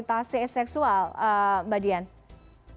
apakah itu kemungkinan untuk mencari kekerasan seksual